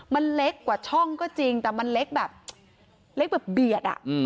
มันเล็กกว่าช่องก็จริงแต่มันเล็กแบบเล็กแบบเบียด